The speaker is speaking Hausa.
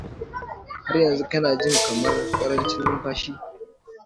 har yanzu kana jin kamar karancin numfashi